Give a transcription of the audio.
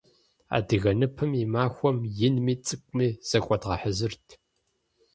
Адыгэ ныпым и махуэм инми цӏыкӏуми зыхуэдгъэхьэзырт.